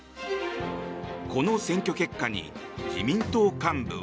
この選挙結果に自民党幹部は。